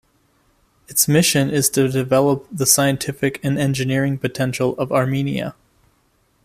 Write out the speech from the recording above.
Its mission is to develop the scientific and engineering potential of Armenia.